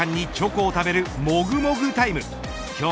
イニング間にチョコを食べるもぐもぐタイム。